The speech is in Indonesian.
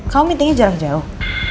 kau meetingnya jarak jauh